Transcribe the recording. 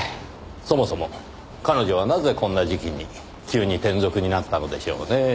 そもそも彼女はなぜこんな時期に急に転属になったのでしょうねぇ？